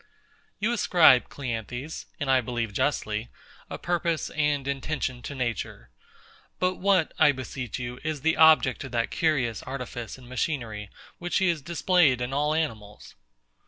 You ascribe, CLEANTHES (and I believe justly), a purpose and intention to Nature. But what, I beseech you, is the object of that curious artifice and machinery, which she has displayed in all animals?